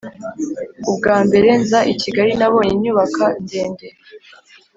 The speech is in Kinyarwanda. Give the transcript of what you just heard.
ubwa mbere nza i kigali nabonye inyubaka ndende.